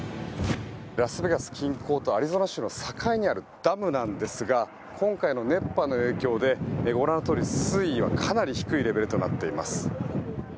ラスベガス近郊とアリゾナ州の境にあるダムなんですが今回の熱波の影響でご覧のとおり、水位はかなり低いレベルとなっています。